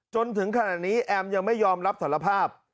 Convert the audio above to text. จนถึงขณะนี้แอมยังไม่ยอมรับสารภาพ